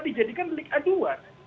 dijadikan delik aduan